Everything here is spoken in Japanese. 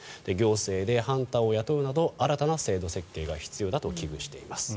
行政でハンターを雇うなど新たな制度設計が必要だと危惧しています。